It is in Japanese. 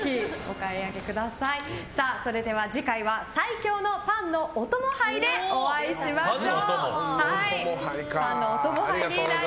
それでは次回は最強のパンお供杯でお会いしましょう。